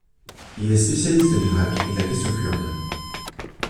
Il est spécialiste de l'Irak et de la question kurde.